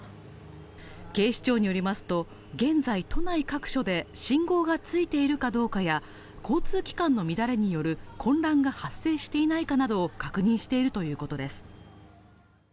警視庁によりますと、現在都内各所で信号がついているかどうかや交通機関の乱れによる混乱が発生していないかなどを確認しているということです。